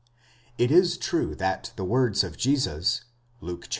® It is true that the words of Jesus, Luke xvi.